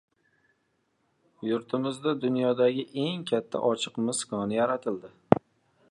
Yurtimizda dunyodagi eng katta ochiq mis koni yaratiladi